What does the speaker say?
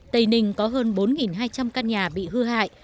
tây ninh có hơn bốn hai trăm linh căn nhà bị hư hại